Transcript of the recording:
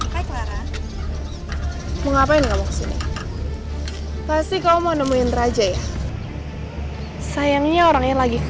hai clara mau ngapain kamu kesini pasti kamu mau nemuin raja ya sayangnya orangnya lagi ke